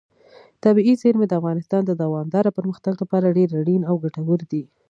طبیعي زیرمې د افغانستان د دوامداره پرمختګ لپاره ډېر اړین او ګټور دي.